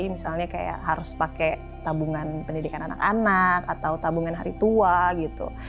misalnya kayak harus pakai tabungan pendidikan anak anak atau tabungan hari tua gitu